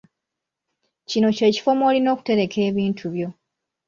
Kino ky'ekifo mw'olina okutereka ebintu byo.